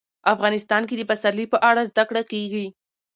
افغانستان کې د پسرلی په اړه زده کړه کېږي.